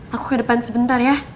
aku ke depan sebentar ya